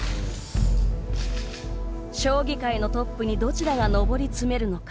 将棋界のトップにどちらが上り詰めるのか。